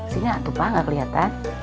sini atuh pak gak keliatan